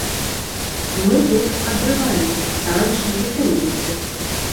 Мы тут адрываемся, танчым, весялімся.